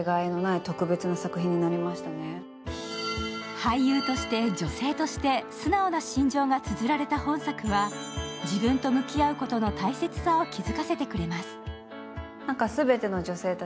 俳優として、女性として、素直な心情がつづられた本作は自分と向き合うことの大切さを気付かせてくれます。